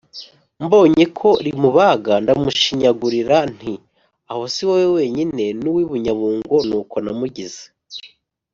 mbonye ko rimubaga ndamushinyagurira, nti « aho si wowe wenyine, n’ uw’ i Bunyabungo ni uko namugize. »